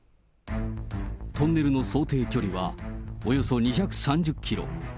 トンネルの想定距離はおよそ２３０キロ。